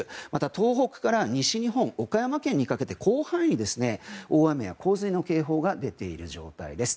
東北から西日本、岡山県にかけて広範囲に大雨や洪水の警報が出ている状態です。